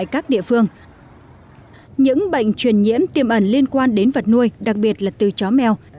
các địa phương những bệnh truyền nhiễm tiềm ẩn liên quan đến vật nuôi đặc biệt là từ chó mèo